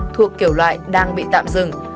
thuộc kiểu loại đang bị tạm dừng